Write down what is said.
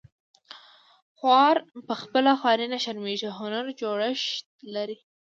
خوار په خپله خواري نه شرمیږي هنري جوړښت لري